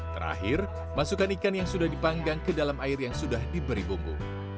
terakhir masukkan ikan yang sudah dipanggang ke dalam air yang sudah diberi bumbu